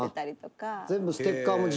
「全部ステッカーも自分で」